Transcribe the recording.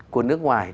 của nước ngoài